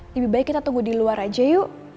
lebih baik kita tunggu di luar aja yuk